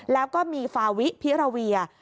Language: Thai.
แล้วก็มีฟาวิพิราเวีย